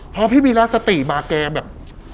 พอพี่วีรักสติมาแกแบบ